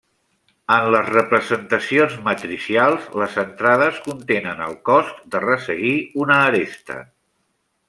En les representacions matricials, les entrades contenen el cost de resseguir una aresta.